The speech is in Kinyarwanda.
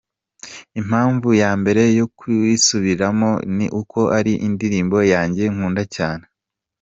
Impamvu ya mbere yo kuyisubiramo ni uko ari indirimbo yanjye nkunda cyane.